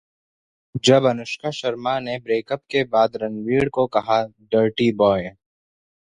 जब अनुष्का शर्मा ने ब्रेकअप के बाद रणवीर को कहा- 'Dirty Boy'